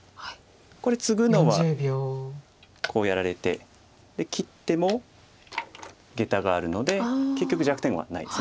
これツグのはこうやられて切ってもゲタがあるので結局弱点はないです。